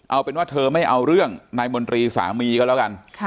เอาเป็นว่าเธอไม่เอาเรื่องนายมนตรีสามีก็แล้วกัน